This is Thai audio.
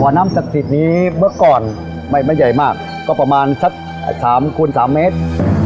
บ่อน้ำศักดิ์สิตนี้เมื่อก่อนไม่ใหญ่มากก็ประมาณสักสามคูณสามเมตร